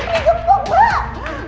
ini gemuk mbak